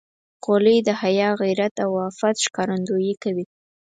خولۍ د حیا، غیرت او عفت ښکارندویي کوي.